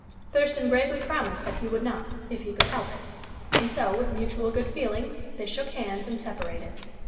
Thurston gravely promised that he would not if he could help it. And so, with mutual good feeling, they shook hands and separated.